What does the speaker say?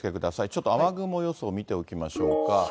ちょっと雨雲予想を見ておきましょうか。